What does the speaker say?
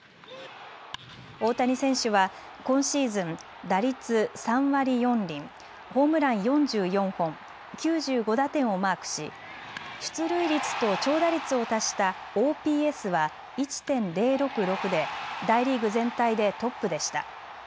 大谷選手は今シーズン、打率３割４厘、ホームラン４４本、９５打点をマークし出塁率と長打率を足したＯＰＳは１．０６６で大リーグ全体でトップでした。